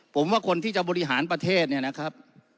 ผมว่าคนที่จะบริหารประเทศเนี่ยนะครับ